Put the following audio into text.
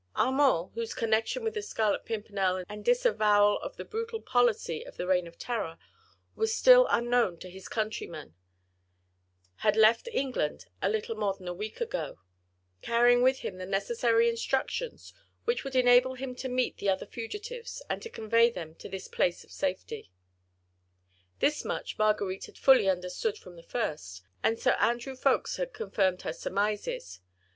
Armand, whose connection with the Scarlet Pimpernel and disavowal of the brutal policy of the Reign of Terror was still unknown to his countrymen, had left England a little more than a week ago, carrying with him the necessary instructions, which would enable him to meet the other fugitives and to convey them to this place of safety. This much Marguerite had fully understood from the first, and Sir Andrew Ffoulkes had confirmed her surmises.